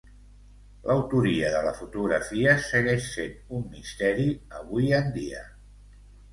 L'autoria de la fotografia segueix sent un misteri avui en dia.